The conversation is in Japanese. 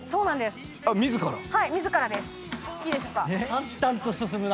淡々と進むな。